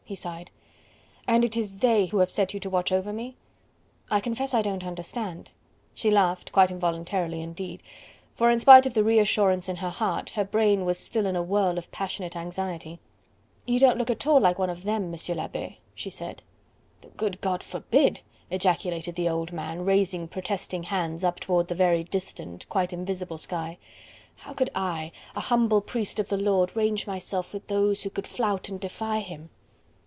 he sighed. "And it is 'they' who have set you to watch over me?... I confess I don't understand..." She laughed, quite involuntarily indeed, for in spite of the reassurance in her heart her brain was still in a whirl of passionate anxiety. "You don't look at all like one of 'them,' M. l'Abbe," she said. "The good God forbid!" ejaculated the old man, raising protesting hands up toward the very distant, quite invisible sky. "How could I, a humble priest of the Lord, range myself with those who would flout and defy Him."